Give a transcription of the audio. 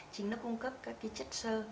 chín nó cung cấp các chất sơ